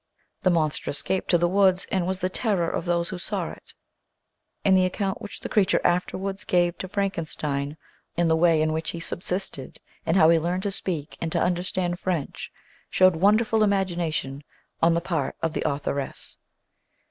The monster escaped to the woods and was the terror of those who saw it, and the account which the creature afterwards gave to Frankenstein of the way in 2l8 THE SEVEN FOLLIES OF SCIENCE which he subsisted and how he learned to speak and to understand French showed wonderful imagination on the part of the authoress.